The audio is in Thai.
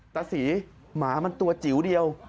ตาศรีหมามันตัวจิ๋วเดียว